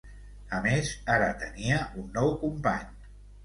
A més, ara tenia un nou company.